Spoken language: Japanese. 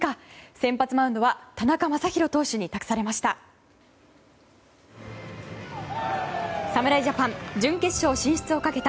先発マウンドは田中将大投手に託されました。